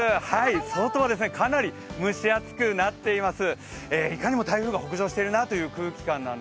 外はかなり蒸し暑くなっています。